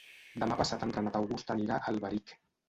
Demà passat en Renat August anirà a Alberic.